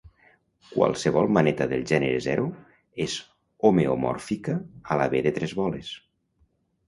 Qualsevol maneta del gènere zero és homeomòrfica a la B de tres boles.